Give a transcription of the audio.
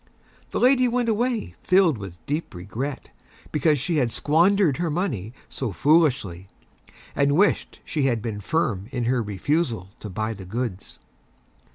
The Lady went away filled with Deep Regret because she had squandered her Money so Foolishly, and wished she had been Firm in her Refusal to buy the Goods.